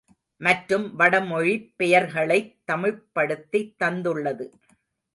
மற்றும் வட மொழிப் பெயர்களைத் தமிழ்ப்படுத்தித் தந்துள்ளது.